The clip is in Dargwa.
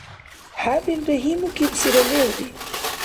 Хӏябилра гьимукӏибсира леври?